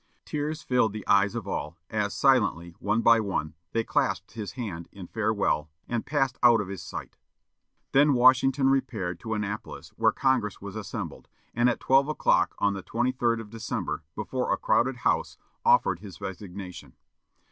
Tears filled the eyes of all, as, silently, one by one, they clasped his hand in farewell, and passed out of his sight. Then Washington repaired to Annapolis, where Congress was assembled, and at twelve o'clock on the 23d of December, before a crowded house, offered his resignation.